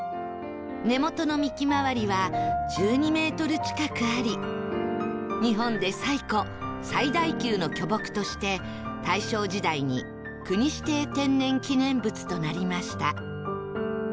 根元の幹周りは１２メートル近くあり日本で最古最大級の巨木として大正時代に国指定天然記念物となりました